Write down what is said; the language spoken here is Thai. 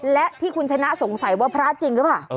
และที่คุณชนะสงสัยว่าพระจริงหรือเปล่า